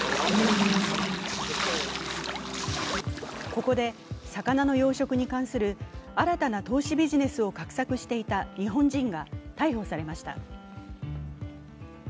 ここで魚の養殖に関する新たな投資ビジネスを画策していた日本人が逮捕されました。